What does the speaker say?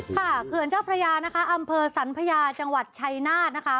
เขื่อนเจ้าพระยานะคะอำเภอสันพญาจังหวัดชัยนาธนะคะ